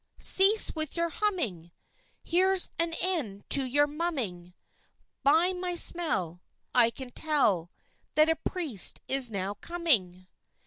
Cease with your humming! Here's an end to your mumming! By my smell I can tell That a Priest is now coming!